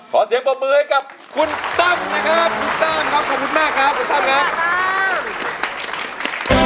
ขอเสียบอบมือให้กับคุณตั้มนะครับ